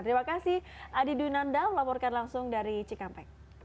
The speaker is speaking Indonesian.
terima kasih adi dunanda melaporkan langsung dari cikampek